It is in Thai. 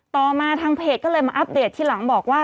ต่อมาทางเพจก็เลยมาอัปเดตที่หลังบอกว่า